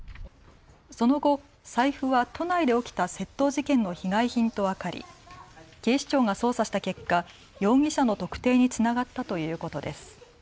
その後、財布は都内で起きた窃盗事件の被害品と分かり警視庁が捜査した結果、容疑者の特定につながったということです。